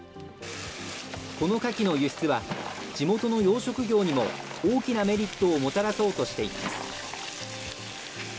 このカキの輸出は、地元の養殖業にも、大きなメリットをもたらそうとしています。